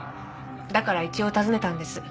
だから一応訪ねたんです。